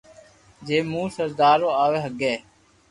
جي مون سودارو آوي ھگي